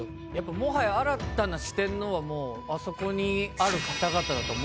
もはや新たな四天王はあそこにある方々だと思うんです。